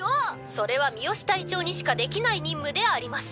それは三好隊長にしかできない任務であります。